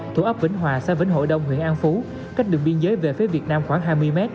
thuộc ấp vĩnh hòa xã vĩnh hội đông huyện an phú cách đường biên giới về phía việt nam khoảng hai mươi m